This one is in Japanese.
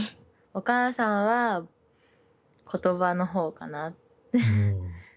お母さんは言葉の方かな。